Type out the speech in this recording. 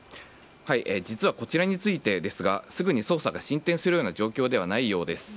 実は、こちらについてですがすぐに捜査が進展する状況ではないようです。